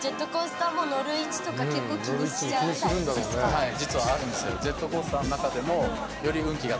はい実はあるんですよ。